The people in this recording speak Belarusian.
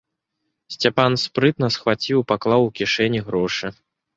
Сцяпан спрытна схваціў і паклаў у кішэні грошы.